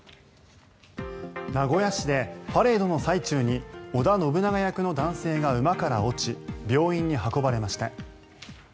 名古屋市でパレードの最中に織田信長役の男性が馬から落ち病院に運ばれました。